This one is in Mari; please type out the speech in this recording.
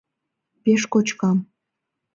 Пеш кочкам.